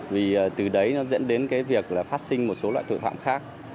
vì từ đấy nó dẫn đến cái việc là phát sinh một số loại tội phạm khác